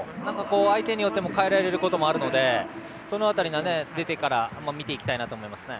相手によっても変えられることもあるのでその辺り、出てから見ていきたいと思います。